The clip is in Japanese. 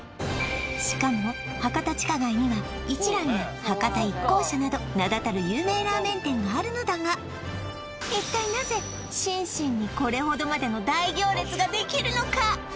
しかも博多地下街には一蘭や博多一幸舎など名だたる有名ラーメン店があるのだが一体なぜＳｈｉｎ−Ｓｈｉｎにこれほどまでの大行列ができるのか？